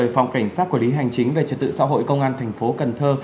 phòng cảnh sát quản lý hành chính và trật tự xã hội công an thành phố cần thơ